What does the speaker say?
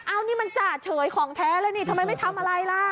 อันนี้มันจ่าเฉยของแท้แล้วนี่ทำไมไม่ทำอะไรล่ะ